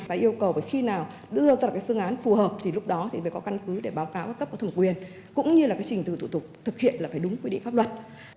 và yêu cầu khi nào đưa ra phương án phù hợp thì lúc đó phải có căn cứ để báo cáo cấp của thẩm quyền cũng như là trình tự thủ tục thực hiện là phải đúng quy định pháp luật